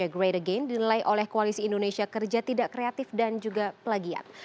great again dinilai oleh koalisi indonesia kerja tidak kreatif dan juga pelagiat